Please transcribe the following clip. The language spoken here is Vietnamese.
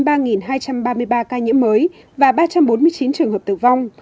ba hai trăm ba mươi ba ca nhiễm mới và ba trăm bốn mươi chín trường hợp tử vong